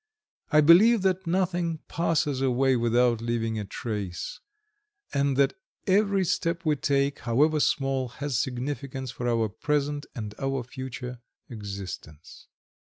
I believe that nothing passes away without leaving a trace, and that every step we take, however small, has significance for our present and our future existence.